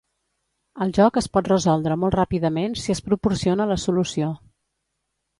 El joc es pot resoldre molt ràpidament si es proporciona la solució.